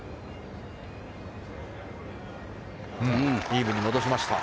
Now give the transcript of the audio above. イーブンに戻しました。